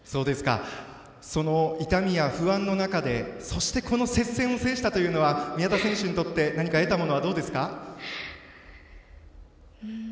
その痛みや不安の中でそしてこの接戦を制したというのは宮田選手にとって何か得たものは、どうですか？